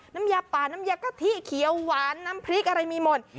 น้ำยาป่าน้ำยากะทิเขียวหวานน้ำพริกอะไรมีหมด